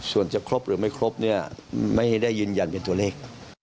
ส่วนจะครบหรือไม่ครบเนี่ยไม่ได้ยืนยันเป็นตัวเลข